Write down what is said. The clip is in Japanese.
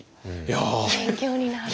勉強になる。